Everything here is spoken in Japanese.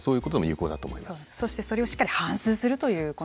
そしてそれをしっかり反すうするという。